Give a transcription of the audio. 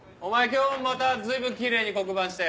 今日もまた随分キレイに黒板消して。